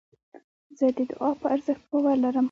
زه د دؤعا په ارزښت باور لرم.